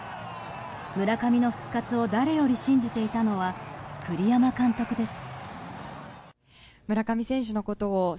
村上の復活を誰より信じていたのは栗山監督です。